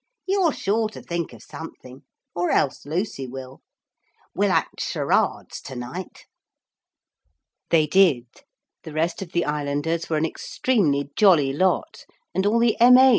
You're sure to think of something. Or else Lucy will. We'll act charades to night.' They did. The rest of the islanders were an extremely jolly lot, and all the M.A.'